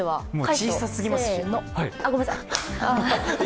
小さすぎますし。